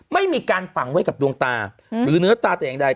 ไม่มีการฝังไว้กับดวงตาหรือเนื้อตาแต่อย่างใด